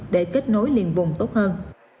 để kết nối liền vùng tốt hơn